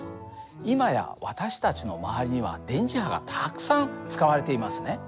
今や私たちの周りには電磁波がたくさん使われていますね。